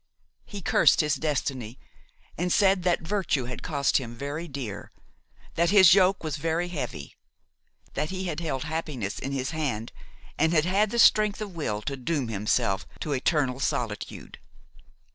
He cursed his destiny and said that virtue had cost him very dear, that his yoke was very heavy: that he had held happiness in his hand and had had the strength of will to doom himself to eternal solitude.